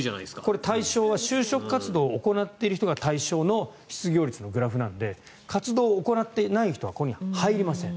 これ、対象は就職活動を行っている人が対象の失業率のグラフなので活動を行っていない人はここに入りません。